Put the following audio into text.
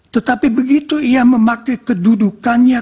tetapi begitu ia memakai kedudukannya